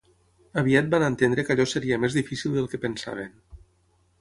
Aviat van entendre que allò seria més difícil del que pensaven.